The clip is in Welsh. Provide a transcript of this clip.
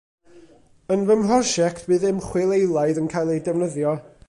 Yn fy mhrosiect bydd ymchwil eilaidd yn cael ei defnyddio